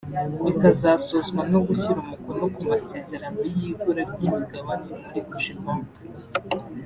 bikazasozwa no gushyira umukono ku masezerano y’igura ry’imigabane muri Cogebanque